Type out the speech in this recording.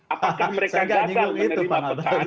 apakah mereka gagal menerima pesan